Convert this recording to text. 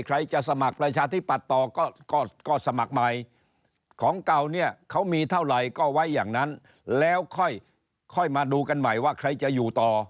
อะไรก็ไว้อย่างนั้นแล้วค่อยมาดูกันใหม่ว่าใครจะอยู่ต่อ